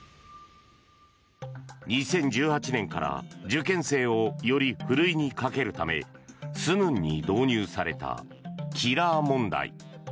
２０１８年から受験生をよりふるいにかけるためスヌンに導入されたキラー問題。